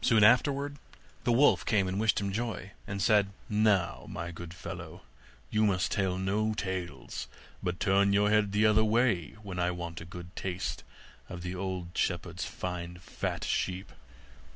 Soon afterwards the wolf came and wished him joy, and said, 'Now, my good fellow, you must tell no tales, but turn your head the other way when I want to taste one of the old shepherd's fine fat sheep.